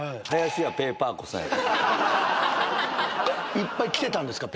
いっぱい来てたんですか？